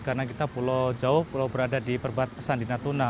karena kita pulau jauh pulau berada di perbatasan di natuna